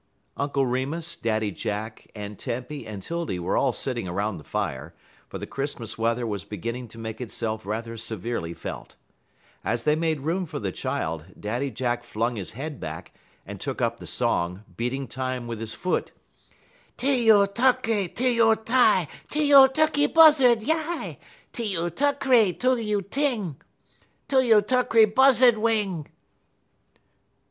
_" Uncle Remus, Daddy Jack, Aunt Tempy, and 'Tildy were all sitting around the fire, for the Christmas weather was beginning to make itself rather severely felt. As they made room for the child, Daddy Jack flung his head back, and took up the song, beating time with his foot: "'_T u Tukry, t u Ti, T u Tukry Buzzud y eye! T u Tukry, t u Ting, T u Tukry Buzzud wing!